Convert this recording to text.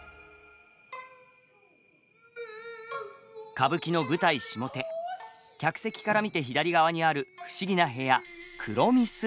歌舞伎の舞台下手客席から見て左側にある不思議な部屋黒御簾。